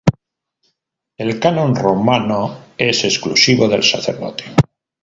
El canon Romano, es exclusivo del sacerdote.